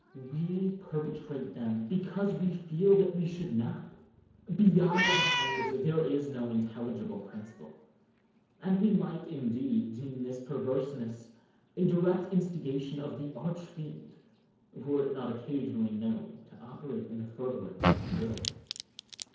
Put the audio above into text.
We perpetrate them because we feel that we should not. Beyond or behind this there is no intelligible principle; and we might, indeed, deem this perverseness a direct instigation of the Arch Fiend, were it not occasionally known to operate in furtherance of good.